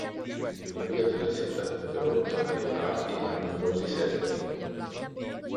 La via della seta fu interrotta in varie parti per numerosi secoli.